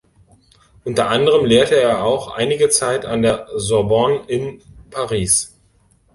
Unter anderem lehrte er auch einige Zeit an der Sorbonne in Paris.